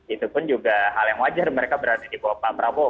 itu pun juga hal yang wajar mereka berada di bawah pak prabowo